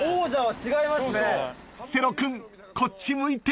［セロ君こっち向いて！］